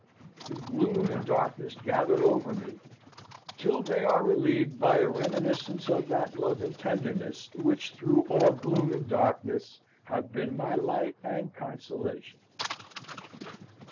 The gloom and darkness gather over me till they are relieved by a reminiscence of that love and tenderness which through all gloom and darkness have been my light and consolation.